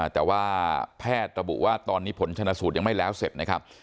แต่ว่าแพทย์ระบุว่าตอนนี้ผลชนะสูตรยังไม่แล้วเสร็จนะครับ